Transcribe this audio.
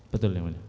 betul yang mulia